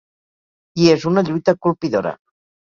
I és una lluita colpidora.